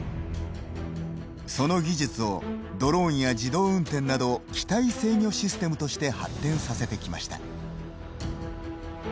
その技術をドローンや自動運転など機体制御システムとして発展させてきました。